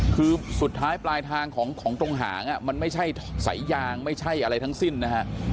คือสุดท้ายปลายทางของตรงหางมันไม่ใช่สายยางไม่ใช่อะไรทั้งสิ้นนะฮะ